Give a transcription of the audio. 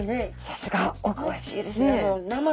さすがおくわしいですね。